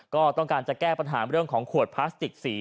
ก็ต้องการจะแก้ปัญหาเรื่องของขวดพลาสติกสี